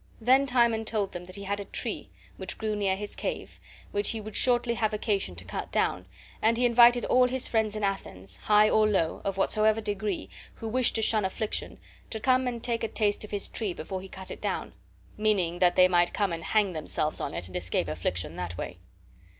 Then Timon told them that he had a tree, which grew near his cave, which he should shortly have occasion to cut down, and he invited all his friends in Athens, high or low , of whatsoever degree, who wished to shun affliction, to come and take a taste of his tree before he cut it down; meaning that they might come and hang themselves on it and escape affliction that way.